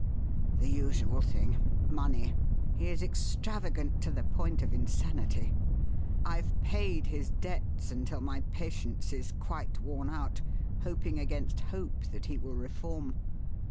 "The usual thing money. He is extravagant to the point of insanity. I've paid his debts until my patience is quite worn out, hoping against hope that he will reform.